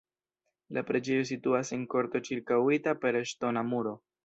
La preĝejo situas en korto ĉirkaŭita per ŝtona muro.